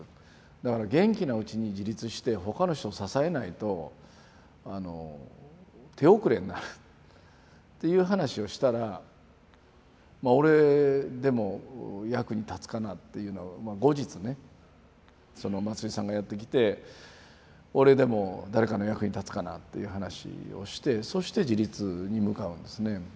だから元気なうちに自立して他の人を支えないと手遅れになるっていう話をしたら俺でも役に立つかなって後日ねその松井さんがやって来て俺でも誰かの役に立つかなっていう話をしてそして自立に向かうんですね。